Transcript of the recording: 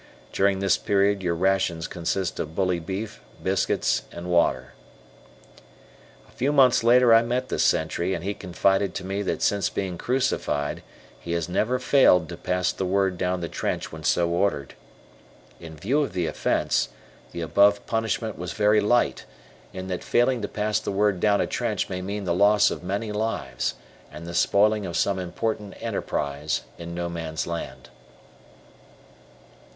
During this period, your rations consist of bully beef, biscuits, and water. A few months later I met this sentry and he confided to me that since being "crucified," he has never failed to pass the word down the trench when so ordered. In view of the offence, the above punishment was very light, in that failing to pass the word down a trench may mean the loss of many lives, and the spoiling of some important enterprise in No Man's Land.